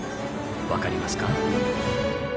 分かりますか？